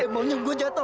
emangnya gue jatuh